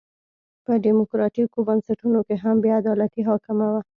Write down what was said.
په ډیموکراټیکو بنسټونو کې هم بې عدالتي حاکمه وه.